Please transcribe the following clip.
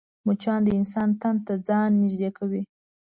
مچان د انسان تن ته ځان نږدې کوي